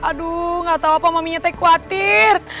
aduh gak tau apa maminya teh khawatir